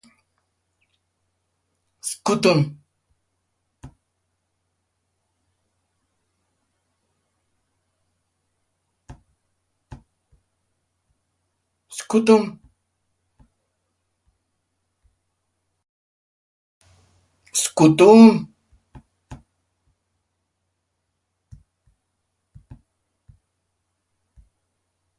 Se usaba junto al popular "scutum".